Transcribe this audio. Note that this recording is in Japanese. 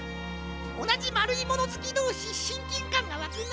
おなじまるいものずきどうししんきんかんがわくな。